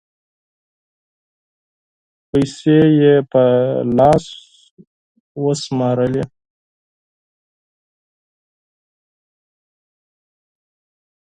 پېسې یې په لاس و شمېرلې